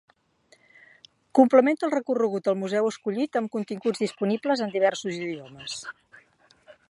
Complementa el recorregut al museu escollit amb continguts disponibles en diversos idiomes.